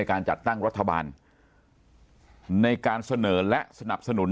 การจัดตั้งรัฐบาลในการเสนอและสนับสนุน